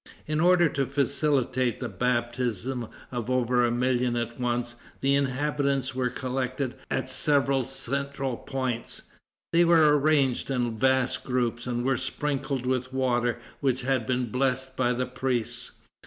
In order to facilitate the baptism of over a million at once, the inhabitants were collected at several central points. They were arranged in vast groups, and were sprinkled with water which had been blessed by the priests.